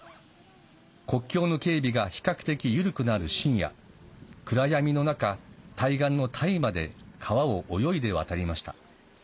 国境の警備が比較的緩くなる深夜暗闇の中、対岸のタイまで川を泳いで渡りました。